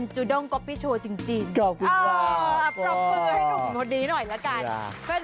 ใช่ค่ะอ่าปรับมือให้หนูทีนี้หน่อยล่ะกันใคร